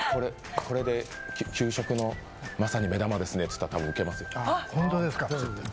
これで「給食のまさに目玉ですね」と言ったら、たぶんウケますよ。